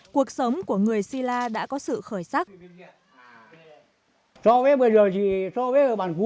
cuộc sống của người si la đã có sự khởi sắc